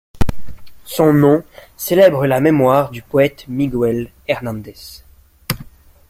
Son nom célèbre la mémoire du poète Miguel Hernández.